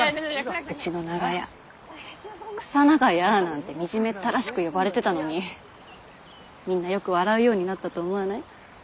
うちの長屋「クサ長屋」なんて惨めったらしく呼ばれてたのにみんなよく笑うようになったと思わない？